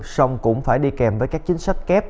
song cũng phải đi kèm với các chính sách kép